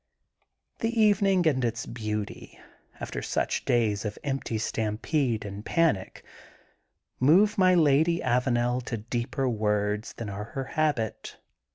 The evening and its beauty, after such days of empty stampede and panic, move my lady Avanel to deeper words than are her habit.